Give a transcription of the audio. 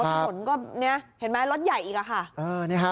เพราะผลก็เห็นไหมรถใหญ่อีกค่ะ